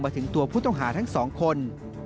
ถึงตัวผู้ต้องหาทั้งสองคน